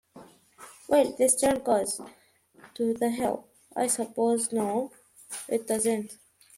Well, this turn goes to the hill, I suppose—no, it doesn’t!